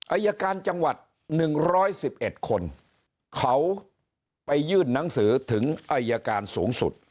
อัยการจังหวัดหนึ่งร้อยสิบเอ็ดคนเขาไปยื่นนังสือถึงอัยการสูงสุด